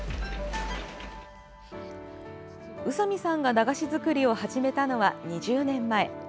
宇佐見さんが駄菓子作りを始めたのは２０年前。